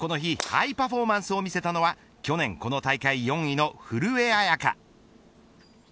ハイパフォーマンスを見せたのは去年この大会４位の古江彩佳。